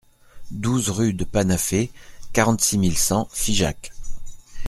douze rue de Panafé, quarante-six mille cent Figeac